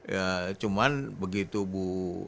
ya cuman begitu bu